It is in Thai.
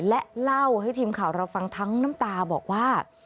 และเล่าให้ทีมข่าวเราฟังทั้งน้ำตาบอกว่า